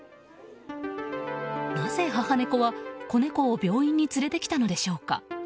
なぜ母猫は子猫を病院に連れてきたのでしょうか。